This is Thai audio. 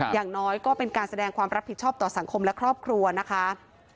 อย่างน้อยก็เป็นการแสดงความรับผิดชอบต่อสังคมและครอบครัวนะคะ